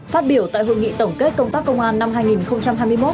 phát biểu tại hội nghị tổng kết công tác công an năm hai nghìn hai mươi một